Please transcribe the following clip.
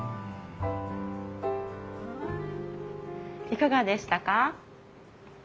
いかがでしたか？